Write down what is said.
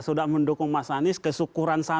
sudah mendukung mas anies kesyukuran